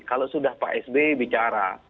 kalau sudah pak sby bicara